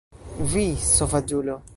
Vi sovaĝulo!